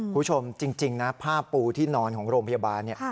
คุณผู้ชมจริงนะผ้าปูที่นอนของโรงพยาบาล